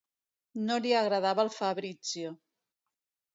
No li agradava el Fabrizio.